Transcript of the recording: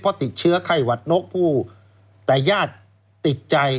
เพราะติดเชื้อไข้หวัดนกผู้แต่ญาติติดใจ